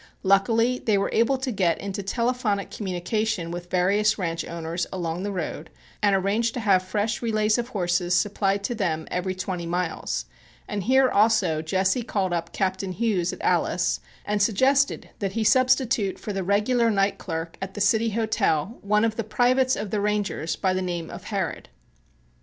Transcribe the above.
Luckily they were able to get into telephonic communication with various ranch owners along the road and arrange to have fresh relays of horses supplied to them every twenty miles, and here also Jesse called up Captain Hughes at Alice, and suggested that he substitute for the regular night clerk at the City Hotel one of the privates of the Rangers by the name of Harrod.